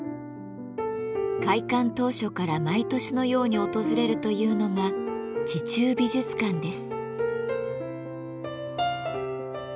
開館当初から毎年のように訪れるというのが「地中美術館」です。